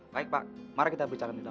baik pak mari kita berbicara di dalam